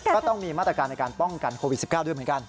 ก็ต้องมีมาตรการในการป้องกันโควิด๑๙ด้วยเหมือนกัน